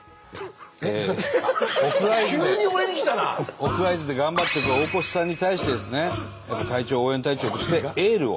奥会津で頑張ってる大越さんに対してですね隊長応援隊長としてエールを。